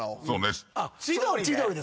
千鳥で！？